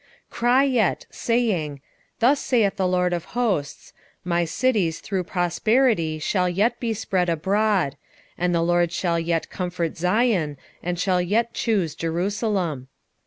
1:17 Cry yet, saying, Thus saith the LORD of hosts; My cities through prosperity shall yet be spread abroad; and the LORD shall yet comfort Zion, and shall yet choose Jerusalem.